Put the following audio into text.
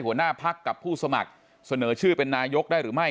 หัวหน้าพักกับผู้สมัครเสนอชื่อเป็นนายกได้หรือไม่